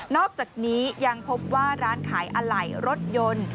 อกจากนี้ยังพบว่าร้านขายอะไหล่รถยนต์